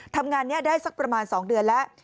ทำงานนี้ได้สักประมาณ๒เดือนแล้ว